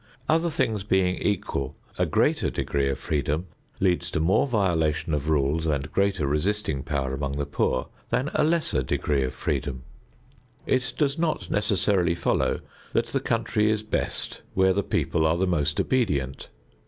Other things being equal, a greater degree of freedom leads to more violations of rules and greater resisting power among the poor than a lesser degree of freedom. It does not necessarily follow that the country is best where the people are the most obedient.